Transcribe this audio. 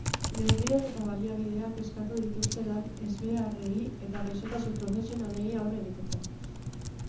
Neurriak eta baliabideak eskatu dituzte lan-ezbeharrei eta gaixotasun profesionalei aurre egiteko.